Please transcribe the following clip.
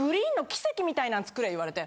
みたいなん作れ言われて。